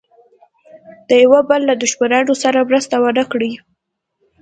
د یوه بل له دښمنانو سره مرسته ونه کړي.